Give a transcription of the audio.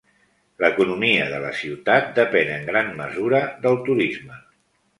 L'economia de la ciutat depèn en gran mesura del turisme.